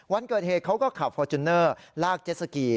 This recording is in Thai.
วันเกิดเหตุเขาก็ขับฟอร์จูเนอร์ลากเจสสกี